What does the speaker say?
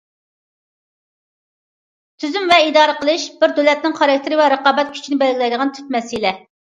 تۈزۈم ۋە ئىدارە قىلىش بىر دۆلەتنىڭ خاراكتېرى ۋە رىقابەت كۈچىنى بەلگىلەيدىغان تۈپ مەسىلە.